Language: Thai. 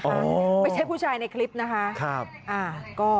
ก็ต้องบอกว่าเรื่องนี้ก็เป็นอุทาหรณ์ก็แล้วกัน